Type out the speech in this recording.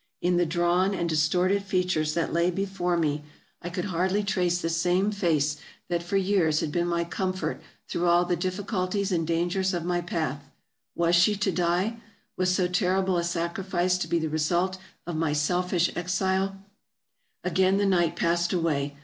In the drawn and distorted features that lay before me I 378 TRAVELERS AND EXPLORERS could hardly trace the same face that for years had been my comfort through all the difficulties and dangers of my path. Was she to die ? Was so terrible a sacrifice to be the result of my selfish exile ! Again the night passed away.